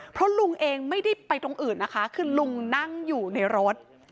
เพราะลุงเองไม่ได้ไปตรงอื่นนะคะคือลุงนั่งอยู่ในรถ